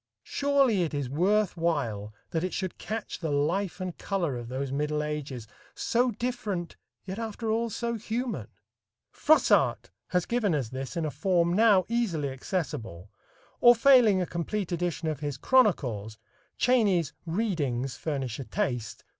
Surely it is worth while that it should catch the life and color of those middle ages so different, yet after all so human. Froissart has given us this in a form now easily accessible, or failing a complete edition of his "Chronicles," Cheyney's "Readings" furnish a taste (pp.